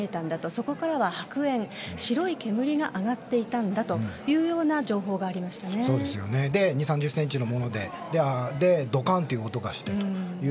そこからは白煙、白い煙が上がっていたんだというような２０３０ｃｍのものでドカンという音がしたと。